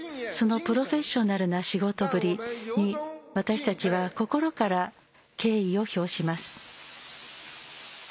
そのプロフェッショナルな仕事ぶりに私たちは心から敬意を表します。